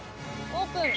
オープン。